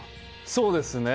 そうですね。